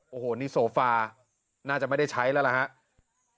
โอ้โหนี่โซฟาน่าจะไม่ได้ใช้แล้วล่ะครับ